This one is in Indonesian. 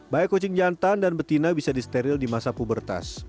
baik kucing jantan dan betina bisa disteril di masa pubertas